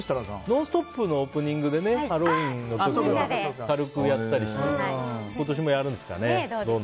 「ノンストップ！」のオープニングでねハロウィーンの時とかは軽くやったりしましたけど今年もやるんですかね？